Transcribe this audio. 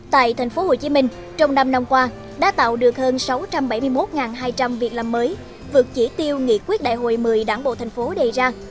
tại thành phố hồ chí minh trong năm năm qua đã tạo được hơn sáu trăm bảy mươi một hai trăm linh việc làm mới vượt chỉ tiêu nghị quyết đại hội một mươi đảng bộ thành phố đầy ra